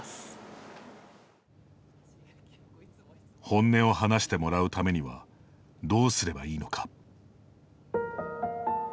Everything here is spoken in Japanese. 本音を話してもらうためにはどうすればいいのか。